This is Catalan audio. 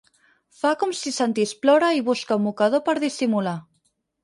Fa com si sentís ploure i busca un mocador per dissimular.